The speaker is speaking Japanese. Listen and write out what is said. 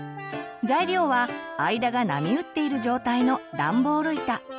材料は間が波打っている状態のダンボール板。